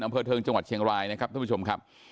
อำเภอเทิงจังหวัดเชียงรายนะครับท่านผู้ชมครับ